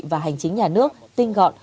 và hành chính nhà nước tinh gọn